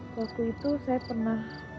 waktu itu saya pernah